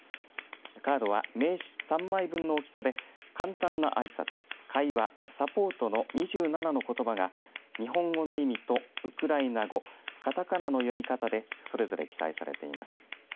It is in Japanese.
カードは名詞３枚分の大きさで簡単なあいさつ、会話サポートの２７のことばが日本語の意味とウクライナ語かたかなの読み方でそれぞれ記載されています。